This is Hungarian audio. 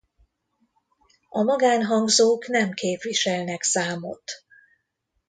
A magánhangzók nem képviselnek számot.